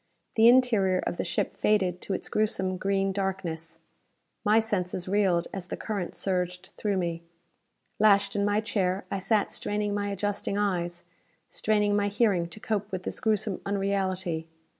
The interior of the ship faded to its gruesome green darkness. My senses reeled as the current surged through me. Lashed in my chair, I sat straining my adjusting eyes, straining my hearing to cope with this gruesome unreality.